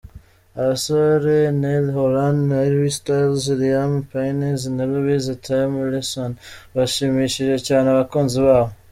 Abasore Niall Horan, Harry Styles, Liam Payne na Louis Tomlinson bashimishije cyane abakunzi babo.